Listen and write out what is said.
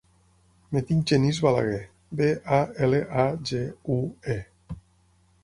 Em dic Genís Balague: be, a, ela, a, ge, u, e.